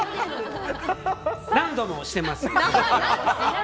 何度もしています。